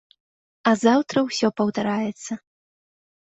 А заўтра ўсё паўтараецца.